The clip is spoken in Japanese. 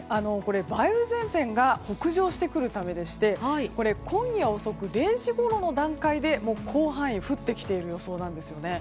梅雨前線が北上してくるためでして今夜遅く０時ごろの段階で広範囲降ってきている予想なんですね。